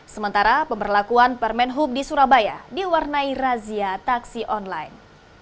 sementara pemberlakuan permen hub di surabaya diwarnai razia taksi online